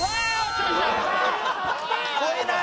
「超えない！」